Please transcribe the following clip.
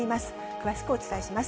詳しくお伝えします。